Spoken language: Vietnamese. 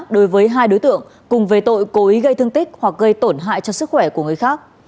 đối với hai đối tượng cùng về tội cố ý gây thương tích hoặc gây tổn hại cho sức khỏe của người khác